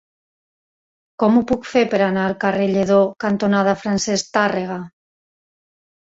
Com ho puc fer per anar al carrer Lledó cantonada Francesc Tàrrega?